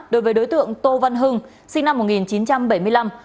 đối với đối tượng tô văn hưng sinh năm một nghìn chín trăm bảy mươi năm